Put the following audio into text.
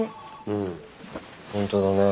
うん本当だね。